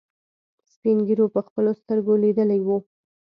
سپينږيرو په خپلو سترګو ليدلي وو.